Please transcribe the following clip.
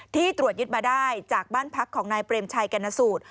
ตรวจยึดมาได้จากบ้านพักของนายเปรมชัยกรณสูตร